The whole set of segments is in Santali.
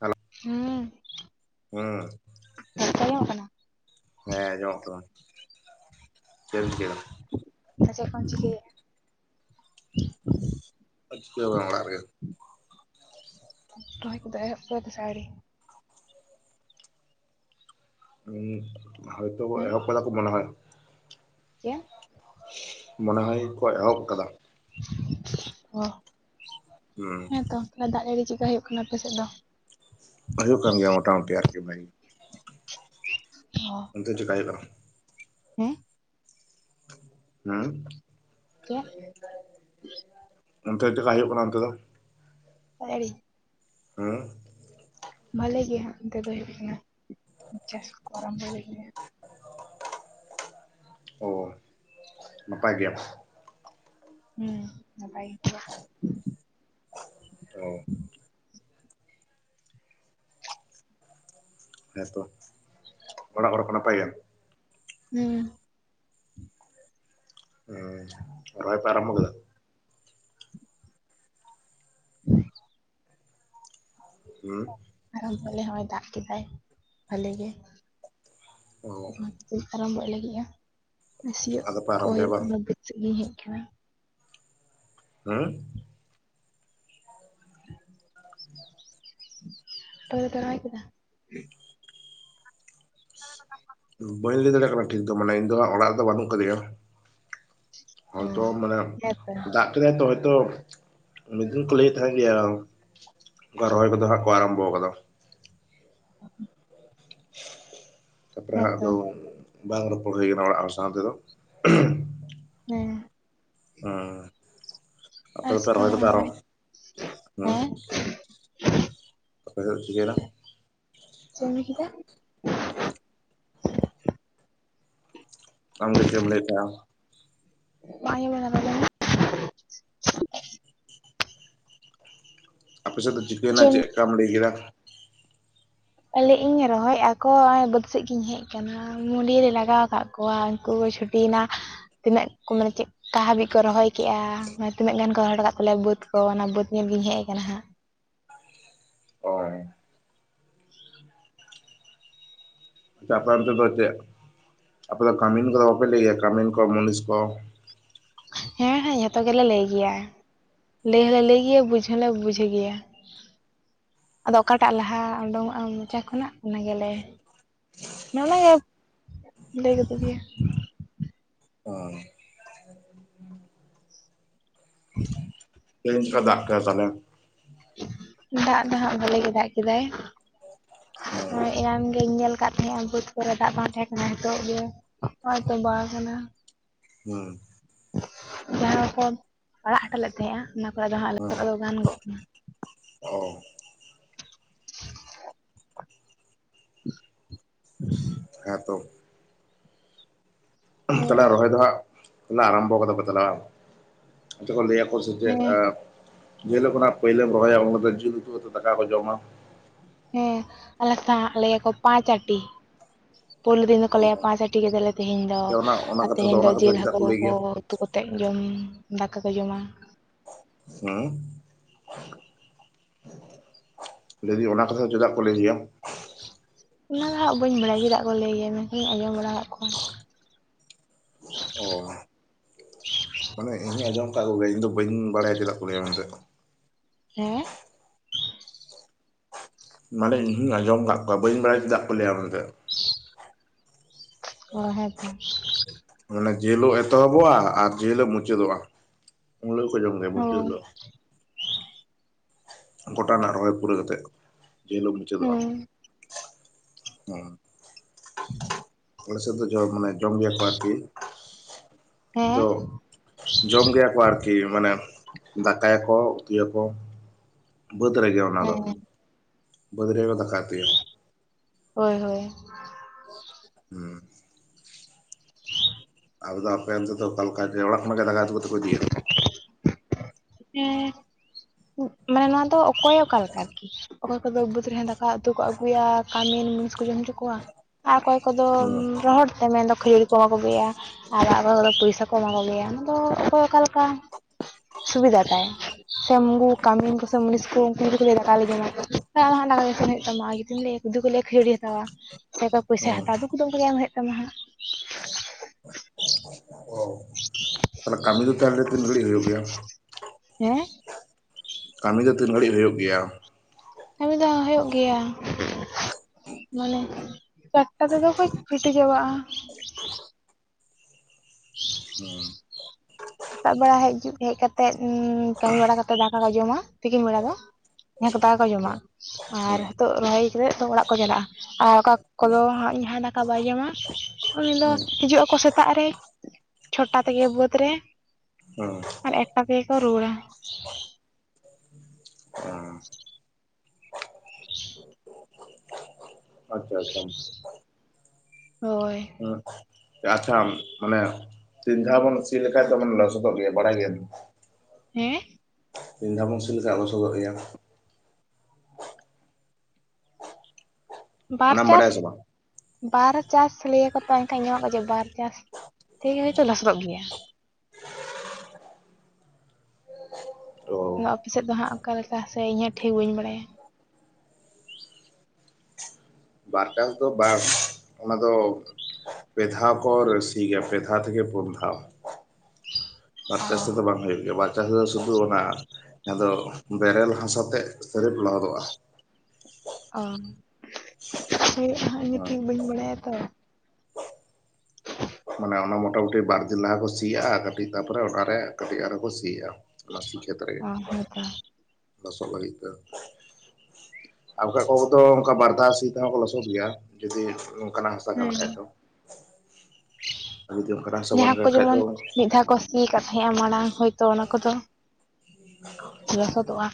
ᱦᱮᱞᱳ, ᱦᱩᱸᱻ ᱦᱩᱸ [unintelligible] ᱦᱮᱸ ᱟᱸᱡᱚᱢᱚᱜ ᱠᱟᱱᱟ᱾ ᱪᱮᱫ ᱮᱢ ᱪᱤᱠᱟᱹᱭᱫᱟ ᱛᱚ ᱪᱮᱫ ᱠᱚᱢ ᱪᱤᱠᱟᱹᱭᱮᱫ-ᱟ? ᱪᱤᱠᱟᱹ ᱦᱚᱸ ᱵᱟᱝ ᱚᱲᱟᱜ ᱨᱮᱜᱮ᱾ ᱚ᱾ ᱨᱚᱦᱚᱭ ᱠᱚᱫᱚ ᱮᱦᱚᱵ ᱠᱚᱫᱟ ᱥᱮ ᱟᱣᱨᱤ? ᱩᱸ ᱦᱚᱭᱛᱳ ᱠᱚ ᱦᱮᱸ ᱮᱦᱚᱵ ᱠᱟᱫᱟ ᱠᱚ ᱢᱚᱱᱮᱦᱚᱭ᱾ ᱪᱮᱫ? ᱢᱚᱱᱮᱦᱚᱭ ᱠᱚ ᱮᱦᱚᱵ ᱟᱠᱟᱫᱟ᱾ ᱚ᱾ ᱦᱩᱸ᱾ ᱛᱟᱞᱦᱮ ᱫᱟᱜ ᱡᱟᱹᱲᱤ ᱶᱮᱫᱠᱟ ᱦᱩᱭᱩᱜ ᱠᱟᱱᱟ ᱟᱯᱮ ᱥᱮᱫ ᱫᱚ? ᱦᱩᱭᱩᱜ ᱠᱟᱱ ᱜᱮᱭᱟ ᱢᱚᱴᱟᱢᱩᱴᱤ ᱟᱨᱠᱤ ᱞᱟᱭᱤᱯᱷ ᱚ᱾ ᱚᱱᱛᱮ ᱪᱮᱠᱟ ᱦᱩᱭᱩᱜ ᱠᱟᱱᱟ? ᱦᱮᱸ? ᱦᱮᱸ? ᱪᱮᱫ? ᱚᱱᱛᱮ ᱪᱮᱫᱠᱟ ᱦᱩᱭᱩᱜ ᱠᱟᱱᱟ ᱚᱱᱛᱮ ᱫᱚ? ᱫᱟᱜ ᱡᱟᱹᱲᱤ᱾ ᱦᱮᱸ᱾ ᱵᱷᱟᱞᱤ ᱜᱮ ᱦᱟᱸᱜ ᱚᱱᱛᱮ ᱫᱚ ᱦᱩᱭᱩᱜ ᱠᱟᱱᱟ᱾ ᱪᱟᱥ ᱠᱚ ᱟᱨᱟᱢᱵᱥᱭ ᱞᱟᱜᱤᱫ ᱦᱟᱸᱜ᱾ ᱚ᱾ ᱱᱟᱯᱟᱭ ᱜᱮᱭᱟᱯ ᱦᱩᱸ᱾ ᱱᱟᱯᱟᱭ ᱜᱮᱭᱟ᱾ ᱚ᱾ ᱦᱮᱸᱛᱚ᱾ ᱚᱲᱟᱜ ᱦᱚᱲ ᱠᱚ ᱱᱟᱯᱟᱭ ᱜᱮᱭᱟ ᱠᱚ? ᱦᱮᱸ᱾ ᱦᱮᱸ᱾ ᱨᱚᱦᱚᱭ ᱯᱮ ᱟᱨᱚᱢᱵᱷᱚ ᱠᱮᱫᱟ? [inaudible] ᱦᱩᱸ᱾ ᱟᱨᱚᱢ ᱵᱚᱞᱮ ᱦᱚᱸ-ᱚᱭ ᱫᱟᱜ ᱠᱮᱫᱟᱭ ᱵᱷᱟᱹᱞᱮ ᱜᱮ᱾ ᱚ ᱟᱨᱟᱢᱵᱷᱚᱜ ᱞᱟᱹᱜᱤᱫᱼᱟ᱾ ᱥᱤᱭᱚᱜ ᱟᱫᱚ ᱯᱮ ᱠᱚ ᱟᱨᱟᱢᱵᱚᱭᱟ ᱦᱩᱭᱩᱜ ᱵᱟᱝ ᱠᱟᱱᱟ᱾ ᱵᱟᱹᱫ ᱥᱮᱫ ᱞᱤᱧ ᱦᱮᱡ ᱟᱠᱟᱱᱟ᱾ ᱦᱮᱸ? ᱟᱯᱮ ᱠᱚᱫᱚᱯᱮ ᱨᱚᱦᱚᱭ ᱠᱮᱫᱟ? [inaudible] ᱵᱟᱹᱧ ᱞᱟᱹᱭ ᱫᱟᱲᱮᱭᱟᱜ ᱠᱟᱱᱟ ᱴᱷᱤᱠ ᱫᱚ ᱢᱟᱱᱮ ᱤᱧ ᱫᱚ ᱦᱟᱸᱜ ᱚᱲᱟᱜ ᱨᱮᱫᱚ ᱵᱟᱹᱱᱩᱜ ᱟᱠᱟᱫᱤᱧᱟ᱾ ᱚ ᱦᱚᱭᱛᱚ ᱢᱟᱱᱮ ᱦᱮᱸᱛᱚ ᱫᱟᱜ ᱠᱮᱫᱟᱭ ᱛᱚ ᱦᱚᱭᱛᱚ ᱢᱤᱫ ᱫᱤᱱ ᱠᱚ ᱞᱟᱹᱭᱮᱫ ᱛᱟᱦᱮᱸᱜ ᱜᱮᱭᱟ᱾ ᱚᱝᱠᱟ ᱨᱚᱦᱚᱭ ᱠᱚᱫᱚ ᱦᱟᱸᱜ ᱠᱚ ᱟᱨᱚᱢᱵᱚ ᱟᱠᱟᱫᱟ᱾ ᱛᱟᱨᱯᱚᱨᱮ ᱦᱟᱸᱜ ᱦᱮᱸᱛᱚ ᱟᱫᱚ ᱵᱟᱝ ᱨᱚᱯᱚᱲ ᱦᱩᱭ ᱟᱠᱟᱱᱟ ᱚᱲᱟᱜ ᱦᱚᱲ ᱥᱟᱶ ᱛᱮᱫᱚ᱾ ᱦᱮᱸ᱾ ᱦᱮᱸ᱾ ᱟᱯᱮ ᱟᱨ ᱫᱚᱯᱮ ᱥᱮᱛᱟᱜ ᱨᱚᱦᱚᱭ ᱫᱚᱯᱮ ᱟᱨᱚ ᱦᱚᱸᱜᱼᱚᱭ ᱦᱩᱸ᱾ ᱦᱮᱸ ᱟᱯᱮ ᱥᱮᱫ ᱪᱤᱠᱟᱹᱭᱮᱱᱟ? ᱪᱮᱫ ᱮᱢ ᱞᱟᱹᱭ ᱠᱮᱫᱟ? ᱟᱢ ᱜᱮ ᱪᱮᱫ ᱮᱢ ᱞᱟᱹᱭᱮᱫ ᱛᱟᱸᱦᱮ ᱟᱢ? ᱵᱟᱝ ᱟᱸᱡᱚᱢ ᱞᱮᱱᱟ [unintelligible] ᱟᱯᱮ ᱥᱮᱫ ᱫᱚ ᱪᱤᱠᱟᱹᱭᱮᱱᱟ ᱪᱮᱫ ᱞᱮᱠᱟᱢ ᱞᱟᱹᱭ ᱠᱮᱫᱟ? ᱞᱟᱭᱮᱫ-ᱟᱹᱧ ᱨᱚᱦᱚᱭᱮᱫᱼᱟ ᱠᱚ ᱚᱸᱭ ᱵᱟᱹᱫᱽ ᱥᱮᱫ ᱜᱤᱧ ᱦᱮᱡ ᱟᱠᱟᱱᱟ᱾ ᱢᱩᱰᱤᱨ ᱮ ᱞᱟᱜᱟᱣ ᱟᱠᱟᱫ ᱠᱚᱣᱟ ᱩᱱᱠᱩ ᱠᱚ ᱪᱷᱩᱴᱤᱭᱮᱱᱟ ᱛᱤᱱᱟᱹᱜ ᱠᱚ ᱢᱟᱱᱮ ᱪᱮᱜ ᱚᱠᱟ ᱦᱟᱹᱵᱤᱡ ᱠᱚ ᱨᱚᱦᱚᱭ ᱠᱮᱜᱼᱟ ᱢᱟᱱᱮ ᱛᱤᱱᱟᱹᱜ ᱜᱟᱱ ᱠᱚ ᱨᱚᱦᱚᱲ ᱟᱠᱟᱫ ᱛᱟ ᱞᱮᱭᱟ ᱵᱟᱹᱫᱽ ᱠᱚ ᱚᱱᱟ ᱵᱟᱹᱫᱽ ᱧᱮᱞ ᱜᱤᱧ ᱦᱮᱡ ᱟᱠᱟᱱᱟ ᱦᱟᱸᱜ ᱾ ᱚᱸᱭ ᱟᱯᱮ ᱚᱱᱛᱮ ᱫᱚ ᱪᱮᱫ ᱟᱯᱮ ᱫᱚ ᱠᱟᱢᱤᱱ ᱠᱚᱫᱚ ᱵᱟᱯᱮ ᱞᱟᱹᱭᱟ ᱠᱟᱢᱤᱱ ᱠᱚ ᱢᱩᱱᱤᱥ ᱠᱚ? ᱦᱮᱸ ᱦᱮᱸ ᱡᱷᱚᱛᱚ ᱜᱮᱞᱮ ᱞᱟᱹᱭ ᱜᱮᱭᱟ ᱾ ᱞᱟᱹᱭ ᱦᱚᱸᱞᱮ ᱞᱟᱹᱭ ᱜᱮᱭᱟ ᱵᱩᱡᱽ ᱦᱚᱸᱞᱮ ᱵᱩᱡᱷ ᱜᱮᱭᱟ ᱾ ᱟᱫᱚ ᱚᱠᱟᱴᱟᱜ ᱞᱟᱦᱟ ᱟ ᱳᱸᱰᱳᱚᱜᱼᱟ ᱢᱚᱪᱟ ᱠᱷᱚᱱᱟᱜ ᱚᱱᱟ ᱜᱮᱞᱮ ᱱᱚᱞᱮᱭᱮᱵᱷ ᱞᱟᱹᱭ ᱠᱟᱛᱮ ᱜᱮ ᱟ ᱩᱷ ᱾ ᱛᱮᱹᱦᱮᱹᱧ ᱪᱮᱠᱟ ᱫᱟᱜ ᱠᱮ ᱟ ᱛᱟᱦᱞᱮ? ᱫᱟᱜ ᱫᱚ ᱦᱟᱸᱜ ᱵᱷᱟᱞᱮᱹ ᱜᱮ ᱫᱟᱜ ᱠᱮᱫᱟᱭ ᱦᱮᱸ ᱮᱱᱟᱝ ᱜᱤᱧ ᱧᱮᱞ ᱠ ᱠᱟᱜ ᱛᱟᱦᱮᱸᱼᱟ ᱵᱟᱹᱫᱽ ᱠᱚᱨᱮ ᱫᱟᱜ ᱵᱟᱝ ᱛᱟᱦᱮᱸ ᱠᱟᱱᱟ ᱱᱤᱛᱚᱜ ᱜᱮ ᱦᱚᱸᱜ-ᱚᱭ ᱛᱚᱸᱵᱟ ᱟᱠᱟᱱᱟ᱾ ᱦᱩᱸᱦ ᱾ [unintelligible] ᱡᱟᱦᱟᱸ ᱠᱚ ᱟᱲᱟᱜ ᱦᱚᱴᱚ ᱞᱮᱜ ᱛᱟᱦᱮᱸᱜᱼᱟ ᱚᱱᱟ ᱠᱚ ᱟᱫᱚ ᱦᱟᱸᱜ ᱞᱚᱥᱚᱫ ᱫᱚ ᱜᱟᱱ ᱜᱚᱜ ᱠᱟᱱᱟ᱾ ᱚᱣ ᱾ ᱰᱮᱠ-ᱠᱚᱡ -ᱰᱷᱩᱣᱟᱝ ᱾ ᱦᱮᱸ ᱛᱚ ᱾ ᱩᱷᱦ, ᱦᱳᱭ᱾ ᱛᱟᱦᱞᱮ ᱨᱚᱦᱚᱭ ᱫᱚ ᱦᱟᱸᱜ ᱟᱨᱟᱢᱵᱚ ᱠᱟᱫᱟ ᱯᱮ ᱛᱟᱞᱦᱮ ᱵᱟᱝ? ᱪᱚᱜ ᱪᱮᱜ ᱠᱚ ᱞᱮᱹᱭᱟ ᱟᱠᱚ ᱥᱮ ᱪᱮᱜᱼ ᱦᱮᱸ ᱟ᱾ ᱡᱮᱹᱦᱤᱞᱳᱜ ᱠᱷᱚᱱᱟᱜ ᱯᱳᱭᱞᱳᱢ ᱨᱚᱦᱚᱭᱟ ᱡᱤᱞ ᱩᱛᱩ ᱟᱛᱮ ᱫᱟᱠᱟ ᱠᱚ ᱡᱚᱢᱟ ᱦᱮᱸ, ᱟᱞᱮ ᱥᱟᱸᱜ ᱞᱟᱹᱭᱟᱠᱚ ᱯᱟᱸᱪ ᱟᱴᱤ᱾ ᱯᱳᱭᱞᱩ ᱫᱤᱱ ᱫᱚᱠᱚ ᱞᱟᱹᱭᱟ ᱯᱟᱸᱪ ᱟᱴᱤ ᱠᱮᱫᱟᱞᱮ ᱛᱮᱹᱦᱤᱧ ᱫᱚ ᱚᱱᱟ ᱚᱱᱟ ᱟᱨ ᱠᱟᱛᱷᱟ ᱛᱮᱹᱦᱮᱹᱧ ᱫᱚ ᱚᱱᱟ ᱠᱟᱛᱷᱟ ᱡᱮᱹᱞ ᱪᱮᱫᱟᱜ ᱦᱟᱠᱳ ᱞᱟᱹᱭ ᱠᱚ ᱜᱮᱭᱟ ᱩᱛᱩ ᱠᱟᱛᱮᱜ ᱡᱚᱢ ᱫᱟᱠᱟ ᱠᱚ ᱡᱚᱢᱟ ᱾ ᱦᱮᱸᱩ, ᱠᱷᱟ-ᱭᱜ-᱾ [unintelligible] ᱞᱟᱹᱭ ᱫᱤᱧ ᱚᱱᱟ ᱠᱟᱛᱷᱟ ᱪᱮᱫᱟᱜ ᱠᱚ ᱞᱟᱹᱭ ᱜᱮᱭᱟ? ᱚᱱᱟ ᱫᱚ ᱦᱟᱸᱜ ᱵᱟᱹᱧ ᱵᱟᱲᱟᱭ ᱪᱮᱫᱟᱜ ᱠᱚ ᱞᱟᱹᱭ ᱜᱮᱭᱟ ᱢᱮᱱᱠᱷᱟᱱ ᱤᱧ ᱟᱸᱡᱚᱢ ᱵᱟᱲᱟ ᱟᱠᱟᱜ ᱠᱚᱣᱟ᱾ ᱯᱪᱚᱜ-ᱥᱩᱜ ᱚ ᱢᱟᱱᱮ ᱤᱧᱤᱧ ᱟᱸᱡᱚᱢ ᱠᱟᱜ ᱠᱚᱜᱮᱭᱟᱧ ᱵᱟᱹᱧ ᱵᱟᱲᱟᱭᱟ ᱪᱮᱫᱟᱜ ᱠᱚ ᱞᱮᱭᱟ ᱢᱮᱱᱛᱮ ᱦᱮᱸᱦᱻᱻ ᱢᱟᱱᱮ ᱤᱧ ᱦᱩᱧ ᱟᱸᱡᱚᱢ ᱟᱠᱟᱜ ᱠᱚᱣᱟ ᱵᱟᱹᱧ ᱵᱟᱲᱟᱭ ᱪᱮᱫᱟ ᱠᱚ ᱞᱮᱹᱭᱟ ᱢᱮᱱᱛᱮ ᱠ-ᱤ-ᱲᱼᱤ-ᱡ, -ᱥᱚᱜ ᱚ ᱦᱮᱸ ᱛᱷᱟ [unintelligible] ᱢᱟᱱᱮ ᱡᱮᱹᱦᱤᱞᱳᱜ ᱮᱛᱚᱦᱚᱵᱚᱜᱼᱟ ᱟᱨ ᱡᱮᱹ ᱦᱤᱞᱳᱜ ᱢᱩᱪᱟᱹᱫᱚᱜᱼᱟ ᱩᱱ ᱦᱤᱞᱳᱜ ᱠᱚ ᱡᱚᱢ ᱜᱮᱭᱟ ᱚ ᱢᱩᱪᱟᱹᱫ ᱦᱤᱞᱳᱜ ᱾ ᱜᱚᱴᱟ ᱨᱮᱱᱟᱜ ᱨᱚᱦᱚᱭ ᱯᱩᱨᱟᱹ, ᱣ ᱠᱟᱛᱮᱜ ᱡᱮᱹ ᱦᱤᱞᱳᱜ ᱢᱩᱪᱟᱹᱫᱚᱜᱼᱟ᱾ ᱦᱮᱸ᱾ ᱦᱮᱸᱦ ᱾ ᱟᱞᱮ ᱥᱮᱫ ᱫᱚ ᱡᱚ ᱢᱟᱱᱮ ᱡᱚᱢ ᱜᱮᱭᱟ ᱟᱨᱠᱤ ᱦᱮᱸ ᱫᱚ ᱡᱚᱢ ᱜᱮᱭᱟ ᱠᱚ ᱟᱨᱠᱤ ᱢᱟᱱᱮ ᱫᱟᱠᱟᱭᱟᱠᱚ ᱩᱛᱩᱭᱟᱠᱚ᱾ ᱵᱟᱹᱫᱽ ᱨᱮᱜᱮ ᱚᱱᱟᱫᱚ ᱦᱮᱸ ᱵᱟᱹᱫᱽ ᱨᱮᱜᱮ ᱠᱚ ᱫᱟᱠᱟ ᱩᱛᱩᱭᱟ ᱾ ᱦᱳᱭ ᱦᱳᱭ ᱦᱩ ᱾ ᱟᱫᱚ ᱟᱯᱮ ᱚᱱᱛᱮ ᱚᱠᱟ ᱞᱮᱠᱟ ᱡᱮ ᱚᱲᱟᱜ ᱠᱷᱚᱱᱟᱜ ᱜᱮ ᱫᱟᱠᱟ ᱩᱛᱩ ᱠᱟᱛᱮ ᱠᱚ ᱤᱫᱤᱭᱟ? ᱥᱩᱡ-ᱴᱷᱚᱜ ᱾ ᱦᱮᱸ ᱢᱮᱱᱟ ᱫᱚ ᱚᱠᱚᱭ ᱚᱠᱟᱞᱮᱠᱟ ᱟᱨᱠᱤ ᱚᱠᱚᱭ ᱠᱚᱫᱚ ᱵᱟᱹᱫᱽ ᱨᱮᱦᱚᱸ ᱫᱟᱠᱟ ᱩᱛᱩ ᱠᱚ ᱟᱜᱩᱭᱟ ᱠᱟᱢᱤᱱ ᱢᱩᱱᱤᱥ ᱠᱚ ᱡᱚᱢ ᱦᱚᱪᱚ ᱠᱚᱣᱟ᱾ ᱟᱨ ᱠᱚᱭ ᱠᱚᱫᱚ ᱦᱩᱸ ᱨᱚᱦᱚᱲ ᱛᱮ ᱢᱮᱱᱫᱚ ᱠᱷᱟᱹᱲᱤ ᱠᱚ ᱢᱟ ᱠᱚᱜᱮᱭᱟ ᱟᱨ ᱚᱠᱚᱭᱫᱚ ᱯᱚᱭᱥᱟ ᱠᱚ ᱮᱢᱟ ᱠᱚᱜᱮᱭᱟ ᱚᱱᱟᱫᱚ ᱚᱠᱚᱭ ᱚᱠᱟᱞᱮᱠᱟ ᱥᱩᱵᱤᱫᱟ ᱛᱟᱭ᱾ ᱥᱮ ᱢᱩᱜᱩ ᱠᱟᱢᱤᱱ ᱠᱚ ᱥᱮ ᱢᱩᱱᱤᱥ ᱠᱚ ᱩᱝᱠᱩ ᱠᱚ ᱞᱟᱹᱭ ᱫᱟᱠᱟ ᱞᱮ ᱡᱚᱢᱟ ᱦᱟᱸᱜ ᱫᱟᱠᱟ ᱜᱮ ᱤᱥᱤᱱ ᱦᱩᱭᱩᱜ ᱛᱟᱢᱟ᱾ ᱡᱩᱫᱤᱢ ᱞᱟᱹᱭ ᱡᱩᱫᱤ ᱠᱚᱞᱮᱭᱟ ᱠᱷᱟᱹᱡᱟᱹᱟᱹᱲᱤ ᱦᱟᱛᱟᱣᱟ ᱥᱮ ᱚᱠᱟ ᱯᱚᱭᱥᱟ ᱦᱩᱸ ᱦᱟᱛᱟᱣ ᱫᱚ ᱮᱢ ᱦᱩᱭᱩᱜ ᱛᱟᱢᱟ ᱦᱟᱸᱜ᱾ ᱚ ᱛᱟᱦᱚᱞᱮ ᱠᱟᱹᱢᱤ ᱫᱚ ᱛᱟᱦᱚᱞᱮ ᱛᱤᱱ ᱜᱷᱟᱹᱲᱤᱜ ᱦᱩᱭᱩᱜ ᱜᱮᱭᱟ? ᱦᱮᱸ? ᱠᱟᱹᱢᱤ ᱫᱚ ᱛᱤᱱ ᱜᱷᱟᱹᱲᱤᱡ ᱦᱳᱭᱳᱜ ᱜᱮᱭᱟ? ᱠᱟᱹᱢᱤ ᱫᱚ ᱦᱳᱭᱳᱜ ᱜᱮᱭᱟ ᱾ ᱢᱟᱱᱮ ᱪᱟᱴᱴᱟ ᱛᱮᱫᱚ ᱠᱚ ᱪᱷᱩᱴᱤ ᱪᱟᱵᱟᱜᱼᱟ᱾ ᱦᱩᱸ [inaudible] ᱥᱮᱛᱟᱜ ᱵᱮᱲᱟ ᱦᱮᱡᱩᱜ ᱦᱮᱡ ᱠᱟᱛᱮᱜ ᱩᱸ ᱠᱟᱹᱢᱤ ᱵᱟᱲᱟ ᱠᱟᱛᱮᱜ ᱫᱟᱠᱟ ᱠᱚ ᱡᱚᱢᱟ ᱛᱤᱠᱤᱱ ᱵᱮᱲᱟ ᱫᱚ᱾ ᱡᱟᱦᱟᱸ ᱠᱚ ᱫᱟᱠᱟ ᱠᱚ ᱡᱚᱢᱟ ᱟᱨ ᱦᱩᱸ ᱦᱤᱛᱚᱜ ᱨᱚᱦᱚᱭ ᱠᱟ ᱠᱟᱛᱮᱫ ᱚᱲᱟᱜ ᱠᱚ ᱪᱟᱞᱟᱜᱼᱟ᱾ ᱟᱨ ᱚᱠᱟ ᱠᱚᱫᱚ ᱦᱟᱸᱜ ᱡᱟᱦᱟᱸ ᱫᱟᱠᱟ ᱵᱟᱭ ᱡᱚᱢᱟ ᱩᱱᱤ ᱫᱚ ᱦᱩᱸ ᱦᱤᱡᱩᱜ ᱟᱠᱚ ᱥᱮᱛᱟᱜ ᱨᱮ᱾ ᱪᱷᱚᱴᱟ ᱛᱮᱜᱮ ᱵᱟᱹᱫᱽ ᱨᱮ᱾ ᱟᱨ ᱮᱠᱴᱟ ᱛᱮᱜᱮ ᱠᱚ ᱨᱩᱣᱟᱹᱲᱟ᱾ ᱦᱩᱸ [inaudible] ᱦᱳᱭ᱾ ᱦᱩᱸ᱾ ᱟᱪᱷᱟ ᱢᱟᱱᱮ ᱛᱤᱱ ᱫᱷᱟᱣ ᱵᱚᱱ ᱥᱤ ᱞᱮᱠᱷᱟᱡ ᱫᱚ ᱞᱚᱥᱚᱫᱚᱜ ᱜᱮᱭᱟ ᱵᱟᱲᱟᱭ ᱜᱮᱭᱟ ᱵᱤᱱ? ᱦᱮᱸ? ᱛᱤᱱ ᱫᱷᱟᱣ ᱵᱚᱱ ᱥᱤ ᱞᱮᱠᱷᱟᱡ ᱞᱚᱥᱚᱫ ᱜᱮᱭᱟ? ᱵᱟᱨ ᱚᱱᱟᱢ ᱪᱟᱥ᱾ ᱵᱟᱲᱟᱭᱟ ᱥᱮ ᱵᱟᱝ ᱵᱟᱨ ᱪᱟᱥ ᱞᱟᱹᱭᱟᱠᱚ ᱛᱚ ᱮᱱᱠᱟᱱ ᱮᱢ ᱠᱚ ᱡᱮ ᱵᱟᱨ ᱪᱟᱥ ᱛᱮ ᱦᱚᱭᱛᱚ ᱞᱚᱥᱚᱫᱚᱜ ᱜᱮᱭᱟ᱾ ᱟᱫᱚ ᱚ ᱟᱯᱮ ᱥᱮᱫ ᱫᱚ ᱦᱟᱸᱜ ᱚᱠᱟᱞᱮᱠᱟ ᱥᱮ ᱤᱧ ᱴᱷᱤᱠ ᱵᱟᱹᱧ ᱵᱟᱲᱟᱭᱟ᱾ ᱵᱟᱨ ᱪᱟᱥ ᱫᱚ ᱵᱟᱝ ᱚᱱᱟᱫᱚ ᱯᱮᱫᱷᱟ ᱠᱚᱨ ᱥᱤ ᱜᱮ ᱯᱮᱫᱷᱟ ᱛᱷᱮᱠᱮ ᱯᱳᱱ ᱫᱷᱟᱣ᱾ ᱵᱟᱨ ᱚ ᱪᱟᱥ ᱛᱮ ᱵᱟᱝ ᱦᱳᱭᱳᱜ ᱜᱮᱭᱟ ᱵᱟ ᱪᱟᱥ ᱫᱚ ᱥᱩᱫᱷᱩ ᱚᱱᱟ ᱟᱫᱚ ᱵᱮᱨᱮᱞ ᱦᱟᱥᱟᱛᱮᱜ ᱥᱨᱤᱯ ᱞᱚᱦᱚᱫᱚᱜᱼᱟ᱾ ᱚ [inaudible] ᱤᱧ ᱦᱮᱸ ᱴᱷᱤᱠ ᱵᱟᱹᱧ ᱵᱟᱲᱟᱭᱟ ᱛᱚ᱾ ᱢᱟᱱᱮ ᱚᱱᱟ ᱢᱚᱴᱟᱢᱩᱴᱤ ᱵᱟᱨᱫᱤᱱ ᱞᱟᱦᱟ ᱠᱚ ᱥᱤᱭᱟᱜᱼᱟ ᱠᱟᱹᱴᱤᱡ ᱛᱟᱨᱯᱚᱨᱮ ᱚᱱᱟᱨᱮ ᱠᱟᱹᱴᱤᱡ ᱟᱨᱚ ᱠᱚ ᱥᱤᱭᱟᱜᱼᱟ᱾ ᱚᱱᱟ ᱥᱤᱠᱷᱮᱛ ᱨᱮᱜ ᱚ ᱦᱮᱸᱛᱚ ᱞᱚᱥᱚᱜ ᱞᱟᱹᱜᱤᱫ ᱛᱮ᱾ ᱟᱨ ᱠᱚ ᱫᱚ ᱚᱱᱠᱟ ᱵᱟᱨᱫᱷᱟ ᱥᱤ ᱛᱮᱦᱚᱸ ᱠᱚ ᱞᱚᱥᱚᱫ ᱜᱮᱭᱟ ᱡᱚᱫᱤ ᱚᱝᱠᱟᱱᱟᱜ ᱦᱟᱥᱟ ᱠᱟᱱ ᱦᱮᱸ ᱠᱷᱟᱡ ᱫᱚ᱾ ᱟᱨ ᱡᱩᱫᱤ ᱚᱱᱠᱟᱱᱟᱜ ᱦᱟᱥᱟ ᱵᱟᱝ ᱡᱟᱦᱟᱸ ᱠᱚ ᱠᱟᱱ ᱠᱷᱟᱡ ᱫᱚ ᱡᱮᱢᱚᱱ ᱦᱮᱸ ᱢᱤᱫ ᱫᱷᱟᱣ ᱠᱚ ᱥᱤᱭᱟᱠᱟᱫ ᱛᱟᱦᱮᱸᱜᱼᱟ ᱢᱟᱲᱟᱝ ᱦᱚᱭᱛᱚ ᱚᱱᱟ ᱠᱚᱫᱚ [unintelligible] ᱞᱚᱥᱚᱫᱚᱜᱼᱟ᱾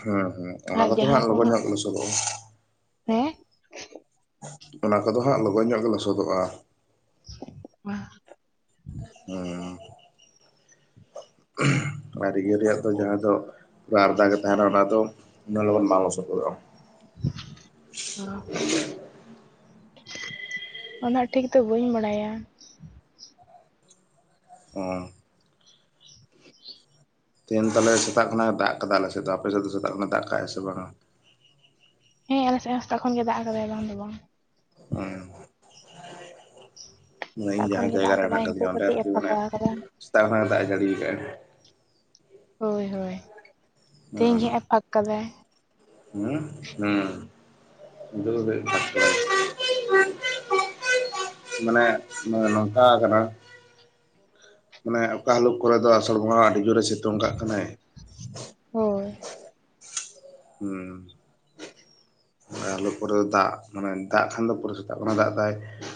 ᱦᱩᱸ ᱦᱩᱸ ᱚᱱᱟ ᱟᱨ ᱠᱚᱛᱮ ᱦᱟᱸᱜ ᱡᱟᱦᱟᱸ ᱠᱚ ᱞᱚᱜᱚᱱ ᱧᱚᱜ ᱜᱮ ᱞᱚᱥᱚᱫᱚᱜᱼᱟ᱾ ᱦᱮᱸ? ᱚᱱᱟ ᱠᱚᱫᱚ ᱦᱟᱸᱜ ᱞᱚᱜᱚᱱ ᱧᱚᱜ ᱜᱮ ᱞᱚᱥᱚᱫᱚᱜᱼᱟ᱾ [unintelligible] ᱦᱩᱸ᱾ ᱟᱨ ᱤᱭᱟᱹ ᱨᱮᱭᱟᱜ ᱫᱚ ᱡᱟᱦᱟᱸ ᱫᱚ ᱯᱩᱨᱟᱹ ᱟᱨᱫᱟ ᱜᱮ ᱛᱟᱦᱮᱱᱟ ᱚᱱᱟ ᱫᱚ ᱩᱱᱟᱹᱜ ᱞᱚᱜᱚᱱ ᱵᱟᱝ ᱞᱚᱥᱚᱫᱜᱚᱫᱚᱜᱼᱟ᱾ ᱦᱟᱸ ᱩᱱᱟᱹᱜ ᱴᱷᱤᱠ ᱫᱚ ᱵᱟᱹᱧ ᱵᱟᱲᱟᱭᱟ᱾ ᱦᱩᱸ, ᱛᱮᱦᱮᱧ ᱛᱟᱦᱞᱮ ᱥᱮᱛᱟᱜ ᱠᱷᱱᱟ ᱫᱟᱜ ᱠᱟᱫᱟ ᱟᱞᱮ ᱥᱮᱫ ᱫᱚ ᱟᱯᱮ ᱥᱮᱫ ᱫᱚ ᱥᱮᱛᱟᱜ ᱠᱷᱱᱟ ᱫᱟᱜ ᱠᱟᱜ-ᱟ ᱥᱮ ᱵᱟᱝᱟ? ᱦᱮᱸ ᱟᱞᱮ ᱥᱮᱫ ᱦᱚᱸ ᱥᱮᱛᱟᱜ ᱠᱷᱚᱱ ᱜᱮ ᱫᱟᱜ ᱟᱠᱟᱫᱟᱭ ᱵᱟᱝ ᱫᱚ ᱵᱟᱝ᱾ [unintelligible] ᱮ ᱥᱮᱛᱟᱜ ᱤᱧ ᱠᱷᱚᱱ ᱡᱟᱦᱟᱸ ᱜᱮ ᱫᱟᱜ ᱡᱟᱭᱜᱟᱨ ᱨᱮ ᱦᱮᱱᱟᱜ ᱟᱠᱟᱫᱟᱭ ᱱᱤᱛᱚᱜ ᱟᱠᱟᱫᱤᱧᱟ ᱚᱸᱰᱮ ᱠᱟᱹᱴᱤᱡ ᱮ ᱟᱨᱠᱤ ᱢᱟᱱᱮ ᱯᱷᱟᱸᱠᱟ ᱟᱠᱟᱫᱟ ᱥᱮᱛᱟᱜ ᱠᱷᱱᱟ ᱜᱮ ᱫᱟᱜ ᱡᱟᱹᱲᱤᱭ ᱫᱟᱭ, ᱦᱳᱭ ᱦᱳᱭ ᱛᱮᱦᱮᱧ ᱜᱮ ᱦᱟᱸᱜ ᱦᱩᱸ ᱮᱯᱷᱟᱠ ᱠᱟᱫᱟᱭ᱾ [unintelligible] ᱢᱟᱱᱮ ᱱᱚᱝᱠᱟ ᱠᱟᱱᱟ ᱢᱟᱱᱮ ᱚᱠᱟ ᱦᱤᱞᱳᱜ ᱠᱚᱨᱮ ᱫᱚ ᱟᱥᱟᱲ ᱵᱚᱸᱜᱟ ᱟᱹᱰᱤ ᱡᱳᱨᱮ ᱥᱤᱛᱩᱝ ᱠᱟᱜ ᱠᱟᱱᱟᱭ ᱾ ᱦᱳᱭ᱾ ᱦᱩᱸᱢ ᱚᱠᱟ ᱦᱤᱞᱳᱜ ᱠᱚᱨᱮ ᱫᱟᱜ ᱢᱟᱱᱮ ᱫᱟᱜ ᱠᱷᱟᱱ ᱫᱚ ᱯᱚᱨᱟᱹ ᱥᱮᱛᱟᱜ ᱠᱟᱱᱟ ᱫᱟᱜ ᱫᱟᱭ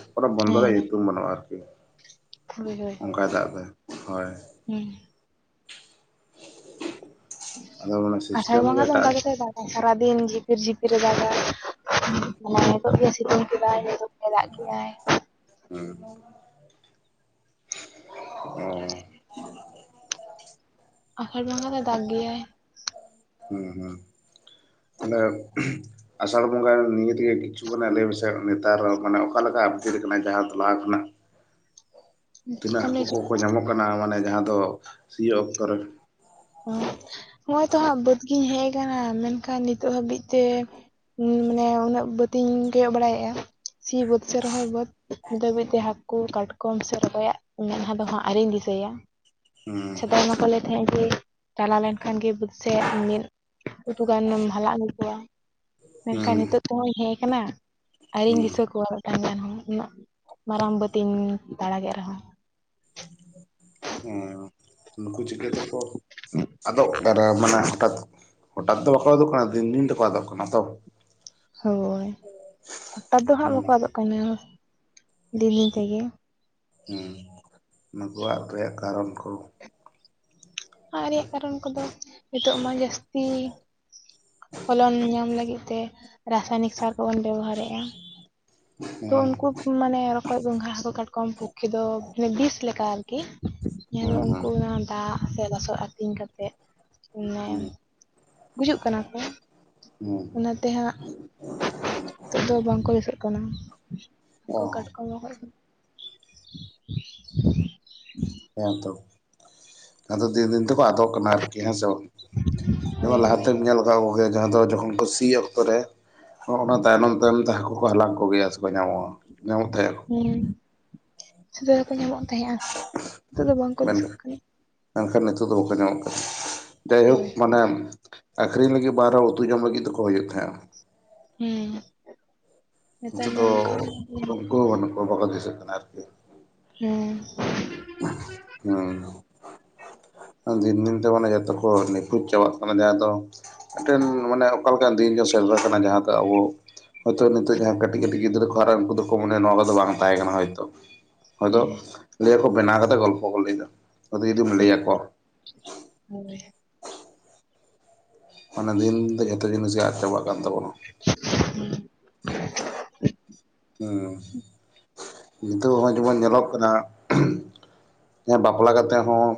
[inaudible] ᱵᱚᱱᱫᱚ ᱨᱮᱭᱟᱜ ᱦᱮᱸ ᱧᱩᱛᱩᱢ ᱵᱟᱹᱱᱩᱜ-ᱟ ᱟᱨᱠᱤ ᱦᱳᱭ ᱦᱳᱭ ᱦᱳᱭ ᱚᱱᱠᱟᱭ ᱫᱟᱜ ᱫᱚ ᱦᱳᱭ᱾ [unintelligible] ᱟᱫᱚ ᱚᱱᱟ ᱟᱥᱟᱲ ᱥᱤᱥᱴᱮᱢ ᱵᱟᱝᱜᱟ ᱜᱮ ᱫᱚ ᱚᱱᱠᱟ ᱮᱴᱟᱜ ᱜᱮᱛᱭ ᱫᱟᱜᱟ ᱥᱟᱨᱟᱫᱤᱱ ᱡᱷᱤᱠᱤᱨ ᱡᱷᱤᱯᱤᱨ ᱮ ᱫᱟᱜᱟ᱾ ᱢᱟᱱᱮ ᱱᱤᱛᱳᱜ ᱜᱮ ᱥᱤᱛᱩᱝ ᱠᱮᱫᱟᱭ ᱱᱤᱛᱳᱜ ᱜᱮ ᱫᱟᱜ ᱠᱮᱫᱟᱭ, [unintelligible] [unintelligible] ᱟᱥᱟᱲ ᱵᱚᱸᱜᱟ ᱫᱚᱭ ᱫᱟᱜ ᱜᱮᱭᱟᱭ, [unintelligible] ᱟᱥᱟᱲ ᱵᱚᱸᱜᱟ ᱱᱤᱭᱟᱹ ᱛᱮᱜᱮ ᱠᱤᱪᱷᱩ ᱜᱟᱱᱮᱫ ᱞᱮᱭ ᱢᱮᱥᱮᱫ ᱱᱮᱛᱟᱨ ᱢᱟᱱᱮ ᱚᱠᱟᱞᱮᱠᱟ ᱟᱯᱰᱮᱴ ᱠᱟᱱᱟ ᱡᱟᱦᱟᱸ ᱫᱚ ᱞᱟᱦᱟ ᱠᱷᱚᱱᱟᱜ ᱛᱤᱱᱟᱹᱜ ᱪᱮᱫᱠᱟᱢ ᱦᱟᱹᱠᱩ ᱞᱟᱹᱭ ᱦᱚᱪᱚ ᱠᱚᱠᱚ ᱧᱟᱢᱚᱜ ᱠᱟᱱᱟ ᱢᱟᱱᱮ ᱡᱟᱦᱟᱸ ᱫᱚ ᱥᱤᱭᱳᱜ ᱚᱠᱛᱚ ᱨᱮ, ᱦᱚᱸᱜᱼᱚᱭ ᱛᱚ ᱦᱟᱸᱜ ᱵᱟᱹᱫᱽ ᱜᱤᱧ ᱦᱮᱡ ᱟᱠᱟᱱᱟ ᱢᱮᱱᱠᱷᱟᱱ ᱱᱤᱛᱚᱜ ᱦᱟᱹᱵᱤᱡ ᱛᱮ ᱢᱟᱱᱮ ᱩᱱᱟᱹᱜ ᱵᱟᱹᱛᱤᱧ ᱠᱚᱭᱚᱜ ᱵᱟᱲᱟᱭᱮᱫ-ᱟ ᱥᱤ ᱵᱟᱹᱫᱽ ᱥᱮ ᱨᱚᱦᱚᱭ ᱵᱟᱹᱫᱽ ᱱᱤᱛ ᱫᱷᱟᱹᱵᱤᱡ ᱛᱮ ᱦᱟᱹᱠᱩ ᱠᱟᱴᱠᱚᱢ ᱥᱮ ᱨᱚᱠᱚᱡ-ᱟᱜ ᱢᱮᱫᱦᱟ ᱫᱚ ᱦᱟᱸᱜ ᱟᱣᱨᱤᱧ ᱫᱤᱥᱟᱹᱭᱟ ᱾ ᱦᱩᱸ ᱥᱮᱫᱟᱜᱟᱭ ᱢᱟ ᱠᱚ ᱞᱮᱭ ᱛᱟᱸᱦᱮᱜ ᱡᱮ ᱪᱟᱞᱟᱣ ᱞᱮᱱᱠᱷᱟᱱ ᱜᱮ ᱵᱟᱹᱫ ᱥᱮᱫ ᱢᱤᱫ ᱩᱛᱩ ᱜᱟᱱᱮᱢ ᱦᱟᱞᱟᱝ ᱟᱜᱩ ᱠᱚᱭᱟ᱾ ᱦᱩᱸ ᱢᱮᱱᱠᱷᱟᱱ ᱱᱤᱛᱳᱜ ᱛᱮᱦᱚᱸᱧ ᱦᱮᱡ ᱠᱟᱱᱟ ᱟᱨᱣᱤᱧ ᱫᱤᱥᱟᱹ ᱦᱩᱸ ᱠᱚᱣᱟ᱾ ᱢᱮᱫᱴᱟᱝ ᱜᱟᱱ ᱦᱚᱸ ᱩᱱᱟᱹᱜ ᱢᱟᱨᱟᱝ ᱵᱟᱹᱫᱤᱧ ᱫᱟᱲᱟ ᱠᱮᱫ ᱨᱮᱦᱚᱸ᱾ ᱦᱮᱸ ᱱᱩᱠᱩ ᱪᱤᱠᱟᱹ ᱛᱮᱠᱚ ᱟᱫᱚᱜ ᱠᱟᱱᱟ ᱢᱟᱱᱮ ᱦᱚᱴᱟᱛ ᱦᱚᱴᱟᱛ ᱫᱚ ᱵᱟᱠᱚ ᱟᱫᱚᱜ ᱠᱟᱱᱟ ᱫᱤᱱ ᱫᱤᱱ ᱛᱮᱠᱚ ᱟᱫᱚᱜ ᱠᱟᱱᱟ ᱛᱚ᱾ ᱦᱳᱭ ᱦᱚᱴᱟᱛ ᱫᱚ ᱦᱟᱸᱜ ᱵᱟᱠᱚ ᱦᱩᱸ ᱟᱫᱚᱜ ᱠᱟᱱᱟ ᱫᱤᱱ ᱫᱤᱱ ᱛᱮᱜᱮ᱾ ᱦᱮᱸ ᱱᱩᱠᱩ ᱟᱫᱽ ᱨᱮᱭᱟᱜ ᱠᱟᱨᱚᱱ ᱠᱚ ᱟᱫᱽ ᱨᱮᱭᱟᱜ ᱠᱟᱨᱚᱱ ᱠᱚᱫᱚ ᱱᱤᱛᱚᱜ ᱢᱟ ᱡᱟᱹᱥᱛᱤ ᱯᱷᱚᱞᱚᱱ ᱧᱟᱢ ᱞᱟᱹᱜᱤᱫ ᱛᱮ ᱨᱟᱥᱟᱭᱱᱤᱠ ᱥᱟᱨ ᱠᱚᱵᱚᱱ ᱵᱮᱵᱚᱦᱟᱨᱮᱜ-ᱟ, ᱛᱚ ᱦᱩᱸ ᱩᱱᱠᱩ ᱢᱟᱱᱮ ᱨᱚᱠᱚᱡ ᱜᱚᱝᱜᱷᱟ ᱦᱟᱹᱠᱩ ᱠᱟᱴᱠᱚᱢ ᱯᱚᱠᱠᱷᱮ ᱫᱚ ᱢᱟᱱᱮ ᱵᱤᱥ ᱞᱮᱠᱟ ᱟᱨ ᱠᱤ ᱦᱩᱸ ᱦᱩᱸ ᱩᱱᱠᱩ ᱚᱱᱟ ᱫᱟᱜ ᱥᱮ ᱞᱟᱥᱚᱜ ᱟᱹᱛᱤᱧ ᱠᱟᱛᱮᱜ ᱢᱟᱱᱮ ᱦᱩᱸ ᱜᱩᱡᱩᱜ ᱠᱟᱱᱟ ᱠᱚ᱾ ᱦᱩᱸ ᱚᱱᱟᱛᱮ ᱦᱟᱸᱜ ᱱᱤᱛᱚᱜ ᱫᱚ ᱵᱟᱝᱠᱚ ᱫᱤᱥᱟᱹᱜ ᱠᱟᱱᱟ᱾ ᱚ ᱠᱚ ᱠᱟᱴᱠᱟ [inaudible] ᱦᱮᱸ ᱛᱚ, ᱟᱫᱚ ᱫᱤᱱ ᱫᱤᱱ ᱛᱮᱠᱚ ᱟᱫᱚᱜ ᱠᱟᱱᱟ ᱟᱨᱠᱤ ᱦᱮᱸ ᱥᱮ ᱵᱟᱝ ᱦᱳᱭ ᱡᱮᱢᱚᱱ ᱦᱳᱭ ᱞᱟᱦᱟᱛᱮᱢ ᱧᱮᱞ ᱠᱚ ᱜᱮ ᱡᱟᱦᱟᱸ ᱫᱚ ᱡᱠᱷᱚᱱ ᱠᱚ ᱥᱤᱭ ᱚᱠᱛᱚ ᱨᱮ ᱚᱱᱟ ᱛᱟᱭᱱᱚᱢ ᱛᱟᱭᱚᱢ ᱛᱮ ᱦᱟᱹᱠᱩ ᱠᱚ ᱦᱟᱞᱟᱝ ᱠᱚᱜᱮᱭᱟ ᱥᱮ ᱠᱚ ᱧᱟᱢᱚᱜ-ᱟ ᱧᱟᱢᱚᱜ ᱛᱟᱦᱮᱸ ᱟᱠᱚ᱾ ᱦᱩᱸ᱾ ᱡᱷᱚᱛᱚ ᱜᱮᱠᱚ ᱧᱟᱢᱚᱜ ᱛᱟᱦᱮᱸᱜᱼᱟ᱾ ᱱᱤᱛᱚᱜ ᱫᱚ ᱵᱟᱝᱠᱚ ᱢᱮᱱ ᱫᱤᱥᱟᱹᱜ ᱠᱟᱱᱟ ᱢᱮᱱᱠᱷᱟᱱ ᱱᱤᱛᱳᱜ ᱫᱚ ᱵᱟᱠᱚ ᱧᱟᱢᱚᱜ ᱠᱟᱱᱟ᱾ ᱡᱟᱭᱦᱳᱠ ᱦᱳᱭ ᱦᱳᱭ ᱢᱟᱱᱮ ᱟᱠᱷᱨᱤᱧ ᱞᱟᱹᱜᱤᱫ ᱵᱟᱝ ᱨᱦᱚᱸ ᱩᱛᱩ ᱡᱚᱢ ᱞᱟᱹᱜᱤᱫ ᱫᱚᱠᱚ ᱦᱩᱭᱩᱜ ᱛᱟᱦᱮᱸᱜᱼᱟ᱾ ᱦᱮᱸ ᱱᱮᱛᱟᱨ ᱱᱤᱛᱚᱜ ᱢᱟ ᱫᱚ ᱚᱱᱠᱟ ᱦᱚᱸ ᱵᱟᱝ ᱧᱟᱢᱚᱜ ᱩᱱᱠᱩ ᱠᱟᱱᱟ᱾ ᱦᱚᱸ ᱵᱟᱹᱱᱩᱜ ᱵᱟᱠᱚ ᱫᱤᱥᱟᱹᱜ ᱠᱟᱱᱟ ᱟᱨᱠᱤ᱾ ᱦᱮᱸ᱾ ᱦᱩᱸ᱾ ᱫᱤᱱ ᱫᱤᱱ ᱛᱮ ᱢᱟᱱᱮ ᱡᱚᱛᱚ ᱠᱚ ᱱᱤᱠᱷᱳᱡ ᱪᱟᱵᱟᱜ ᱠᱟᱱᱟ᱾ ᱡᱟᱦᱟᱸ ᱫᱚ ᱢᱤᱫᱴᱮᱱ ᱢᱟᱱᱮ ᱚᱠᱟ ᱞᱮᱠᱟᱱ ᱫᱤᱱ ᱡᱮ ᱥᱮᱴᱮᱨ ᱠᱟᱱᱟ ᱡᱟᱦᱟᱸ ᱫᱚ ᱟᱵᱚ ᱦᱳᱭᱛᱳ ᱱᱤᱛᱚᱜ ᱡᱟᱦᱟᱸ ᱠᱟᱹᱴᱤᱡ ᱠᱟᱹᱴᱤᱡ ᱜᱤᱫᱽᱨᱟᱹ ᱠᱚ ᱦᱟᱨᱟᱜᱟᱼᱟ ᱩᱱᱠᱩ ᱫᱚᱠᱚ ᱢᱚᱱᱮᱭᱟ ᱱᱚᱣᱟ ᱠᱚᱫᱚ ᱵᱟᱝ ᱛᱟᱦᱮᱸ ᱠᱟᱱᱟ ᱦᱚᱭᱛᱳ᱾ ᱦᱚᱭᱛᱳ ᱦᱮᱸ ᱞᱟᱹᱭᱟ ᱠᱚ ᱵᱮᱱᱟᱣ ᱠᱟᱛᱮᱫ ᱜᱚᱞᱯᱷᱚ ᱠᱚ ᱞᱟᱹᱭ ᱫᱟ᱾ ᱦᱳᱭ ᱦᱳᱭ, ᱦᱳᱭ᱾ ᱢᱟᱱᱮ ᱫᱤᱱ ᱫᱚ ᱡᱷᱚᱛᱚ ᱡᱤᱱᱤᱥ ᱜᱮ ᱟᱫ ᱪᱟᱵᱟᱜ ᱠᱟᱱ ᱛᱟᱵᱚᱱᱟ᱾ [inaudible] ᱦᱮᱸ᱾ ᱱᱤᱛᱚᱜ ᱦᱚᱸᱜ-ᱚᱭ ᱡᱮᱢᱚᱱ ᱧᱮᱞᱚᱜ ᱠᱟᱱᱟ ᱡᱟᱦᱟᱭ ᱵᱟᱯᱞᱟ ᱠᱟᱛᱮ ᱦᱚᱸ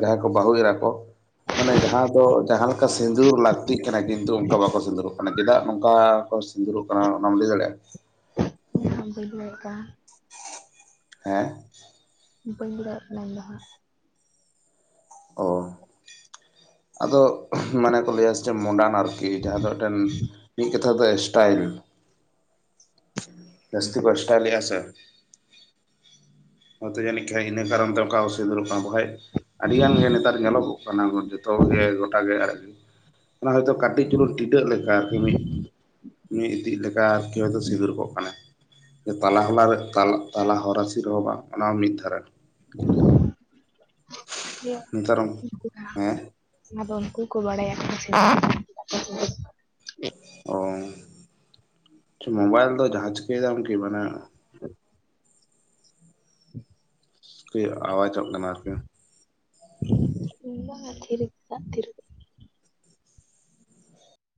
ᱡᱟᱦᱟᱸᱭ ᱠᱚ ᱵᱟᱹᱦᱩ ᱮᱨᱟ ᱠᱚ ᱢᱟᱱᱮ ᱡᱟᱦᱟᱸ ᱫᱚ ᱡᱟᱦᱟᱸ ᱞᱮᱠᱟ ᱥᱤᱸᱫᱩᱨ ᱞᱟᱹᱠᱛᱤᱜ ᱠᱟᱱᱟ ᱠᱤᱱᱛᱩ ᱚᱱᱠᱟ ᱵᱟᱠᱚ ᱥᱤᱸᱫᱩᱨᱚᱜ ᱠᱟᱱᱟ ᱪᱮᱫᱟᱜ ᱱᱚᱝᱠᱟ ᱠᱚ ᱥᱤᱸᱫᱩᱨᱚᱜ ᱠᱟᱱᱟ ᱚᱱᱟᱢ ᱞᱟᱹᱭ ᱫᱟᱲᱮᱭᱟᱜᱼᱟ? ᱵᱟᱹᱧ ᱞᱮᱭ ᱫᱟᱲᱮᱜ ᱠᱟᱱ᱾ ᱦᱮᱸ᱾ ᱵᱟᱹᱧ ᱞᱟᱹᱭ ᱫᱟᱲᱮᱜ ᱠᱟᱱᱟ ᱤᱧ ᱫᱚ ᱦᱟᱸᱜ᱾ ᱚ᱾ ᱟᱫᱚ ᱢᱟᱱᱮ ᱠᱚ ᱞᱟᱹᱭᱟ ᱥᱮ ᱪᱮ ᱢᱳᱰᱟᱱ ᱟᱨᱠᱤ ᱡᱟᱦᱟᱸ ᱫᱚ ᱢᱤᱫᱴᱮᱱ ᱢᱤᱫ ᱠᱟᱛᱷᱟ ᱛᱮᱫᱚ ᱥᱴᱟᱭᱤᱞ᱾ ᱡᱟᱥᱛᱤ ᱠᱚ ᱥᱴᱟᱭᱤᱞᱮᱫ-ᱟ ᱥᱮ᱾ ᱚᱛᱮ ᱡᱟᱹᱱᱤᱡ ᱠᱷᱟᱡ ᱤᱱᱟᱹ ᱠᱚᱨᱚᱱ ᱛᱮ ᱚᱝᱠᱟ ᱚᱥᱩ ᱥᱤᱸᱝᱩᱨᱚᱜ ᱠᱟᱱᱟ ᱵᱟᱠᱷᱟᱡ ᱟᱹᱰᱤᱜᱟᱱ ᱜᱮ ᱱᱮᱛᱟᱨ ᱧᱮᱞᱚᱜᱚᱜ ᱠᱟᱱᱟ ᱡᱚᱛᱚ ᱠᱚᱜᱮ ᱜᱚᱴᱟᱜᱮ ᱟᱲᱟᱜ ᱜᱤᱲᱤ ᱚᱱᱟ ᱦᱚᱭᱛᱳ ᱠᱟᱹᱴᱤᱡ ᱪᱩᱞᱩ ᱴᱤᱴᱟᱹᱜ ᱞᱮᱠᱟ ᱟᱨᱠᱤ ᱢᱤᱫ ᱢᱤᱫ ᱤᱫᱤᱡ ᱞᱮᱠᱟ ᱟᱨᱠᱤ ᱦᱚᱭᱛᱳ ᱥᱤ ᱜᱚᱜ ᱠᱟᱱᱟᱭ᱾ ᱡᱮ ᱛᱟᱞᱟ ᱦᱚᱞᱟ ᱨᱮ ᱛᱟᱞᱟ ᱛᱟᱞᱟ ᱦᱚᱨᱟᱥ ᱨᱮᱦᱚᱸ ᱵᱟᱝ᱾ ᱚᱱᱟ ᱦᱚᱸ ᱢᱤᱫ ᱫᱷᱟᱨᱮ ᱨᱮ᱾ ᱱᱮᱛᱟᱨ ᱦᱮᱸ [inaudible] ᱟᱫᱚ ᱩᱱᱠᱩ ᱠᱚ ᱵᱟᱲᱟᱭᱟ [unintelligible] ᱚ ᱪᱷᱩ ᱢᱳᱵᱟᱭᱤᱞ ᱫᱚ ᱡᱟᱦᱟᱸ ᱪᱤᱠᱟᱹᱭ ᱫᱟᱢ ᱠᱤ ᱢᱟᱱᱮ [inaudible] ᱠᱟᱹᱡ ᱟᱣᱟᱡᱚᱜ ᱠᱟᱱᱟ ᱟᱨᱠᱤ᱾ ᱵᱟᱝᱟ ᱛᱷᱤᱨ ᱠᱟᱫᱟ ᱛᱷᱤᱨ ᱠᱟᱫᱟ᱾